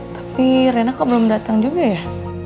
tapi rena kok belum datang juga ya